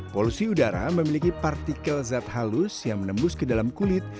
polusi udara memiliki partikel zat halus yang menembus ke dalam kulit